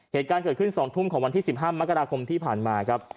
เหตุการณ์เกิดขึ้น๒ทุ่มของวันที่๑๕มกราคมที่ผ่านมาครับ